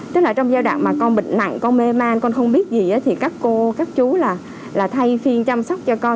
tức là trong giai đoạn mà con bệnh nặng con mê mang con không biết gì thì các cô các chú là thay phiên chăm sóc cho con